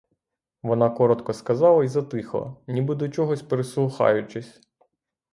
Вона коротко сказала й затихла, ніби до чогось прислухаючись.